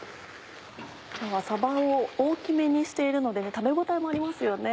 今日はさばを大きめにしているので食べ応えもありますよね。